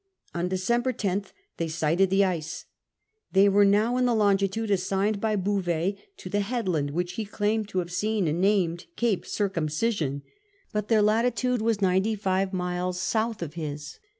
On December 10th they sighted the ica They were now in the longitude assigned by Bouvet to the headland which he claimed to have seen and named Cape Circumcision, but their latitude was ninety fivo miles south of his.